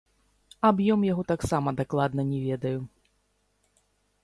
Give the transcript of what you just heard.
Аб'ём яго таксама дакладна не ведаю.